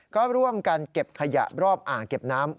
ก็ร่วมกันเก็บขยะรอบอ่างเก็บน้ำ